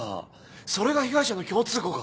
それが被害者の共通項か。